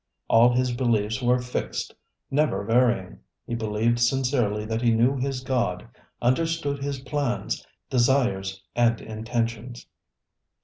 All his beliefs were fixed, never varying. He believed sincerely that he knew his God, understood His plans, desires and intentions.